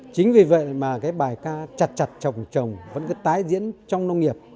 chính vì vậy mà cái bài ca chặt trồng trồng vẫn cứ tái diễn trong nông nghiệp